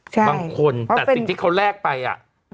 บางคนแต่สิ่งที่เขาแลกไปอ่ะ